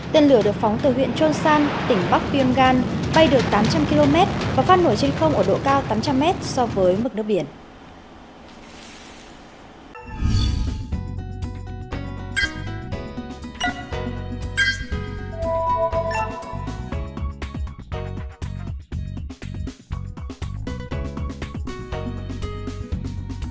tên lửa được phóng từ huyện chon san tỉnh bắc pyongyang bay được tám trăm linh km và phát nổi trên không ở độ cao tám trăm linh m so với mực nước biển